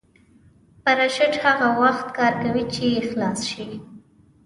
پراشوټ هغه وخت کار کوي چې خلاص شي.